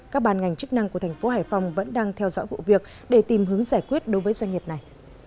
các bàn ngành chức năng của thành phố hải phòng vẫn đang theo dõi vụ việc để tìm hướng giải quyết đối với doanh nghiệp này